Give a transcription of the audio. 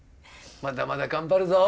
まだまだ頑張るぞ。